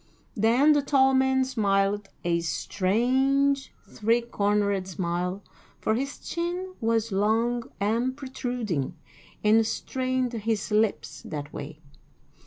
Then the tall man smiled a strange, three cornered smile, for his chin was long and protruding, and strained his lips that way.